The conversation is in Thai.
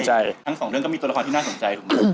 ใช่ทั้งสองเรื่องก็มีตัวละครที่น่าสนใจถูกไหม